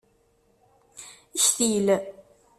Ktil.